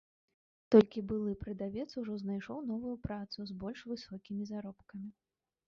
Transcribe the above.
Толькі былы прадавец ужо знайшоў новую працу з больш высокімі заробкамі.